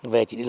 vậy thì đi làm